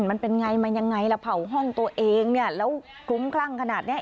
มันเป็นไงมันยังไงล่ะเผาห้องตัวเองเนี่ยแล้วคลุ้มคลั่งขนาดเนี้ย